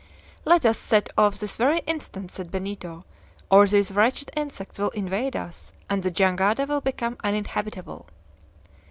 "Let us set off this very instant," said Benito, "or these wretched insects will invade us, and the jangada will become uninhabitable!"